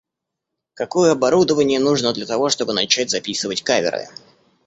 Какое оборудование нужно для того, чтобы начать записывать каверы?